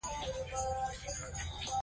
زه د سونا په ځای د سړو اوبو تجربه غوره ګڼم.